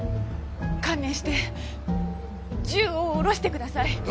観念して銃を下ろしてください。